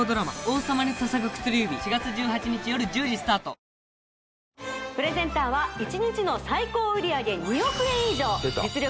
最高プレゼンターは１日の最高売上２億円以上実力